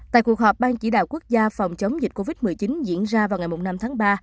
tại cuộc họp ban chỉ đạo quốc gia phòng chống dịch covid một mươi chín diễn ra vào ngày năm tháng ba